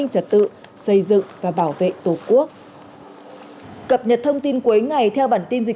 chất tự xây dựng và bảo vệ tổ quốc cập nhật thông tin cuối ngày theo bản tin dịch